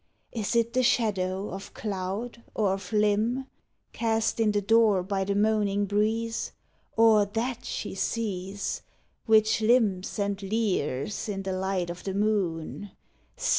Is it the shadow of cloud or of limb, Cast in the door by the moaning breeze? Or That she sees, Which limps and leers in the light o' the moon?